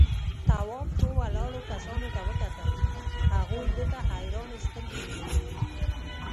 تواب څو ولاړو کسانو ته وکتل، هغوی ده ته حيرانې سترگې نيولې وې.